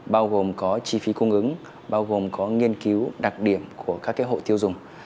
bao gồm có chi phí cung ứng bao gồm có nghiên cứu đặc điểm của các hộ tiêu dùng